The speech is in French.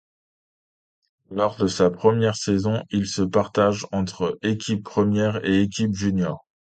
Lors de sa première saison, il se partage entre équipe première et équipe junior.